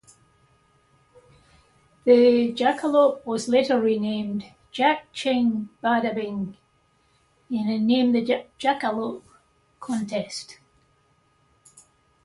The Jackalope was later renamed "Jack Ching Bada-Bing" in a "Name the Jackalope" contest.